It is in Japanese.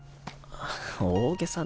大げさな。